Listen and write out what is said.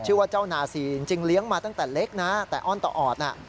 ชื่อว่าเจ้านาซีจริงเลี้ยงมาตั้งแต่เล็กนะแต่อ้อนต่อออดน่ะ